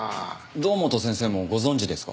堂本先生もご存じですか？